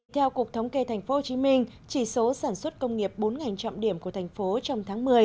theo cục thống kê tp hcm chỉ số sản xuất công nghiệp bốn ngành trọng điểm của thành phố trong tháng một mươi